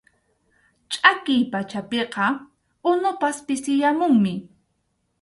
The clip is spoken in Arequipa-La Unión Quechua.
Chʼakiy pachapiqa unupas pisiyamunmi.